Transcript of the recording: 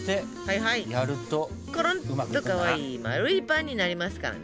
コロンとかわいい丸いパンになりますからね。